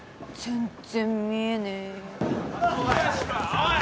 おい！